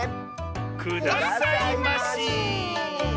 くださいまし。